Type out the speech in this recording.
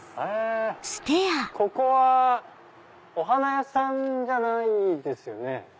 ここはお花屋さんじゃないですよね？